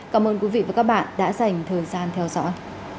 cảm ơn quý vị và các bạn đã dành thời gian theo dõi